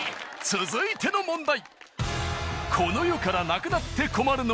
続いての問題